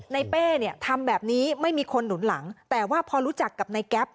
เป้เนี่ยทำแบบนี้ไม่มีคนหนุนหลังแต่ว่าพอรู้จักกับนายแก๊ป